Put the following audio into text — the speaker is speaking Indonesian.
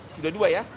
sudah dua ya